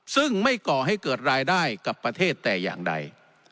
ซึ่งไม่ก่อให้เกิดรายได้กับประเทศแต่อย่างใด